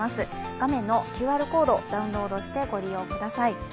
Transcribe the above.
画面のＱＲコードダウンロードしてご覧ください。